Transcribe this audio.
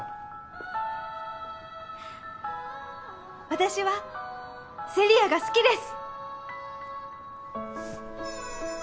私は聖里矢が好きです！